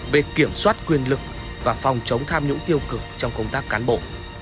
về kiểm soát quyền lực và phòng chống tham nhũng tiêu cực trong công tác cán bộ